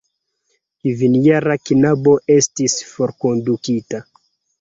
Kvinjara knabo estis forkondukita.